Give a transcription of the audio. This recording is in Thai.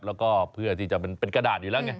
แล้วก็เพื่อที่จะเป็นกระดาษอยู่แล้วไง